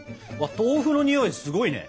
豆腐のにおいすごいね。